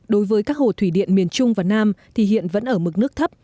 đối với các hồ thủy điện miền trung và nam thì hiện vẫn ở mực nước thấp